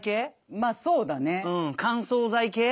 まあそうだね。